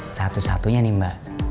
satu satunya nih mbak